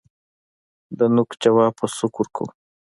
دنوک جواب په سوک ورکوو